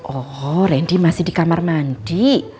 oh randy masih di kamar mandi